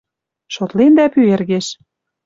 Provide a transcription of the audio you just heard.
шотлендӓ пӱэргеш